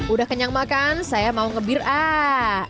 udah kenyang makan saya mau nge beer aah